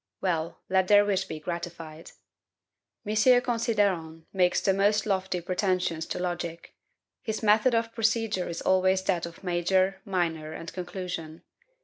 Well, let their wish be gratified. M. Considerant makes the most lofty pretensions to logic. His method of procedure is always that of MAJOR, MINOR, AND CONCLUSION.